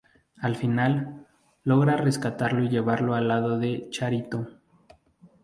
Al final, logra rescatarlo y llevarlo al lado de Charito.